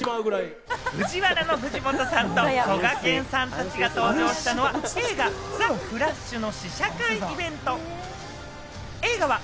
ＦＵＪＩＷＡＲＡの藤本さんと、こがけんさんが登場したのは映画『ザ・フラッシュ』の試写会イベント。